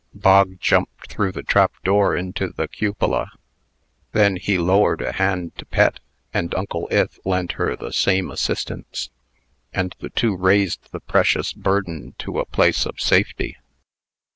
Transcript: Bog jumped through the trap door into the cupola. Then he lowered a hand to Pet, and Uncle Ith lent her the same assistance, and the two raised the precious burden to a place of safety.